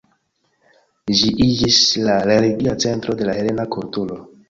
Ĝi iĝis la religia centro de la helena kulturo.